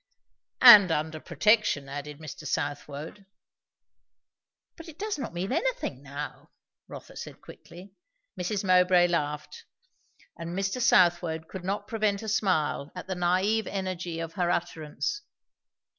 "And under protection " added Mr. Southwode. "But it does not mean anything now," Rotha said quickly. Mrs. Mowbray laughed, and Mr. Southwode could not prevent a smile, at the naive energy of her utterance.